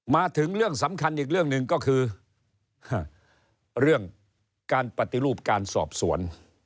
มาถึงเรื่องสำคัญอีกเรื่องหนึ่งก็คือเรื่องการปฏิรูปการสอบสวน